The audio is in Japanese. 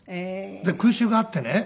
空襲があってね